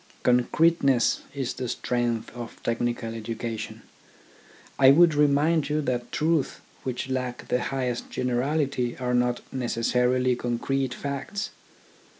Concreteness is the strength of technical edu cation. I would remind you that truths which lack the highest generality are not necessarily concrete facts.